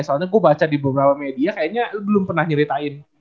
soalnya gue baca di beberapa media kayaknya lu belum pernah nyeritain